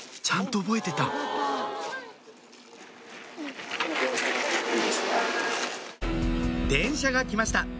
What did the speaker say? ちゃんと覚えてた電車が来ました